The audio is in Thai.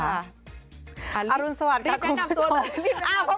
อารุณสวัสดีครับคุณผู้ชม